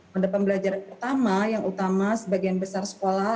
pada pembelajaran pertama yang utama sebagian besar sekolah